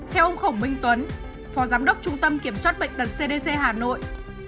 theo ông khổng minh tuấn phó giám đốc trung tâm kiểm soát bệnh tật cdc hà nội